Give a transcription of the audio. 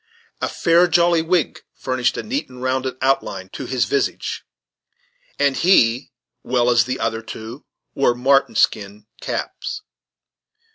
A fair, jolly wig furnished a neat and rounded outline to his visage, and he, well as the other two, wore marten skin caps.